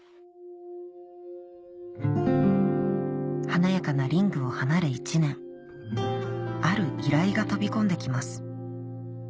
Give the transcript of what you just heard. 華やかなリングを離れ１年ある依頼が飛び込んで来ます